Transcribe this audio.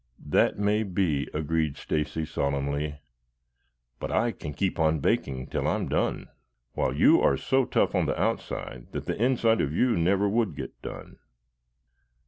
"That may be," agreed Stacy solemnly. "But I can keep on baking till I am done, while you are so tough on the outside that the inside of you never would get done."